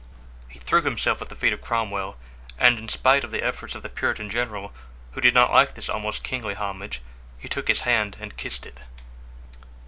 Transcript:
He threw himself at the feet of Cromwell, and in spite of the efforts of the Puritan general, who did not like this almost kingly homage, he took his hand and kissed it.